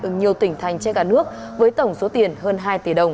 ở nhiều tỉnh thành trên cả nước với tổng số tiền hơn hai tỷ đồng